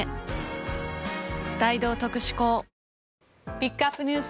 ピックアップＮＥＷＳ